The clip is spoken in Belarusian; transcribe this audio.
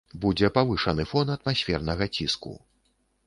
Будзе павышаны фон атмасфернага ціску.